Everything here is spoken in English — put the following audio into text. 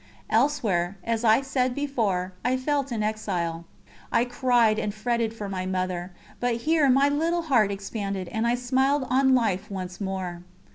Elsewhere, as I said before, I felt an exile, I cried and fretted for my Mother; but here my little heart expanded, and I smiled on life once more.